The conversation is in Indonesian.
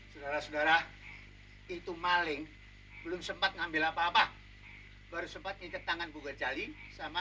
saudara saudara itu maling belum sempat ngambil apa apa baru sempat ngintik tangan bugar jali sama